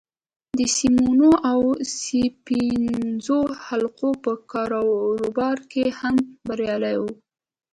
د سيمونو او اوسپنيزو حلقو په کاروبار کې هم بريالی و.